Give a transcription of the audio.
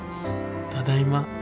ただいま。